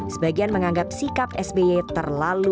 sebagian menganggap sikap sby terlalu